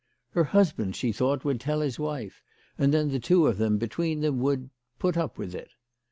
Her husband, she thought, would tell his wife, and then the two of them, between them, would put up with it.